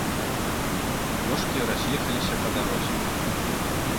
Дошкі раз'ехаліся па дарозе.